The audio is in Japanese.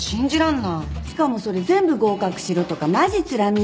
しかもそれ全部合格しろとかマジつらみ。